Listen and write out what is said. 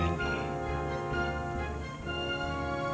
kemungkinan mereka akan menerima semua ini dengan ikhlas